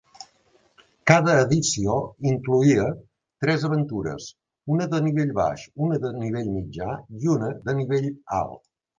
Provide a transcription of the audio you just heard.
Cada edició incloïa tres aventures, una de nivell baix, una de nivell mitjà i una de nivell alt.